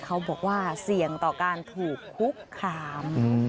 เขาบอกว่าเสี่ยงต่อการถูกคุกคาม